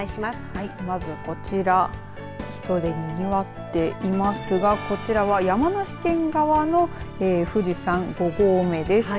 はいまずこちら人でにぎわっていますがこちらは山梨県側の富士山５合目です。